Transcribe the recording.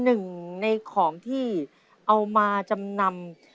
เอ๊ะ๑ในของที่เอามาจำนำ